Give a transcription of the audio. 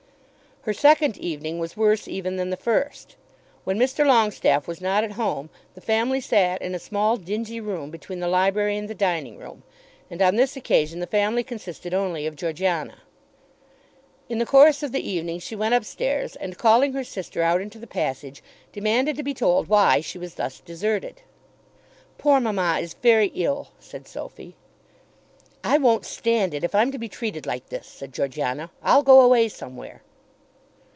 Her second evening was worse even than the first. When Mr. Longestaffe was not at home the family sat in a small dingy room between the library and the dining room, and on this occasion the family consisted only of Georgiana. In the course of the evening she went up stairs and calling her sister out into the passage demanded to be told why she was thus deserted. "Poor mamma is very ill," said Sophy. "I won't stand it if I'm to be treated like this," said Georgiana. "I'll go away somewhere."